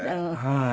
はい。